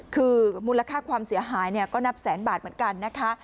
คือมูลค่าความเสียหายก็นับแสนบาทเหมือนกันนะคะ